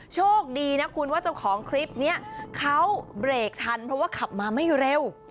โชคดีนะคุณว่าเจ้าของคลิปนี้เขาเบรกทันเพราะว่าขับมาไม่เร็ว